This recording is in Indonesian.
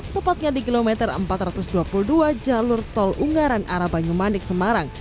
tepatnya di kilometer empat ratus dua puluh dua jalur tol unggaran arah banyumanik semarang